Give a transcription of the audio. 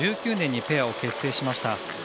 ２０１９年にペアを結成しました。